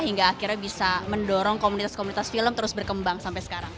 hingga akhirnya bisa mendorong komunitas komunitas film terus berkembang sampai sekarang